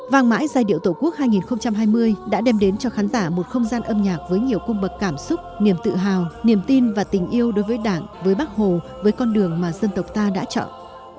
vang mãi giai điệu tổ quốc hai nghìn hai mươi đã đem đến cho khán giả một không gian âm nhạc với nhiều cung bậc cảm xúc niềm tự hào niềm tin và tình yêu đối với đảng với bắc hồ với con đường mà dân tộc ta đã chọn